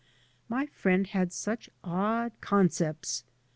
My friend had such odd concepts.